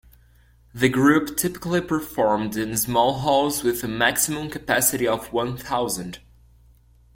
The group typically performed in small halls with a maximum capacity of one thousand.